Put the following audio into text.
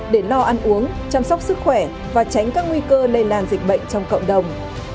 để lo ăn uống chăm sóc sức khỏe và tránh các nguy cơ lây lan dịch bệnh trong cộng đồng